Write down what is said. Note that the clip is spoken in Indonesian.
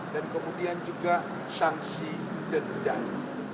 dan kemudian juga sanksi dendam